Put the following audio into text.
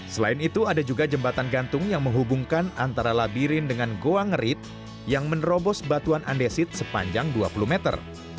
selain itu ada juga jembatan gantung yang menghubungkan antara labirin dengan goa ngerit yang menerobos batuan andesit sepanjang dua puluh meter